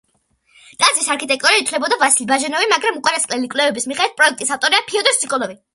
ტაძრის არქიტექტორად ითვლებოდა ვასილი ბაჟენოვი, მაგრამ უკანასკნელი კვლევების მიხედვით პროექტის ავტორია ფიოდორ სოკოლოვი.